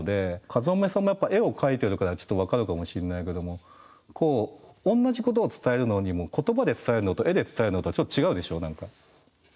かずまめさんもやっぱ絵を描いてるからちょっと分かるかもしんないけども同じことを伝えるのにも言葉で伝えるのと絵で伝えるのとはちょっと違うでしょう何か。